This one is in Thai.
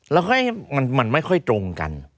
แล้วค่อยมันไม่ค่อยตรงกัน